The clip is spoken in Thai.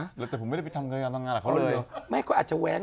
แต่ผมไม่ได้ไปทำงานกับเขาเลย